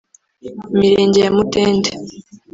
imirenge ya Mudende